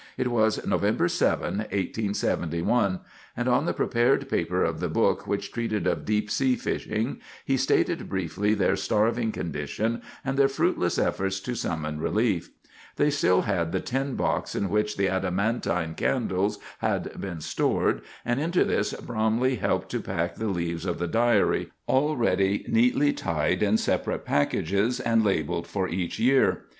It was November 7, 1871; and on the prepared paper of the book which treated of deep sea fishing, he stated briefly their starving condition and their fruitless efforts to summon relief. They still had the tin box in which the adamantine candles had been stored, and into this Bromley helped to pack the leaves of the diary, already neatly tied in separate packages, and labeled for each year.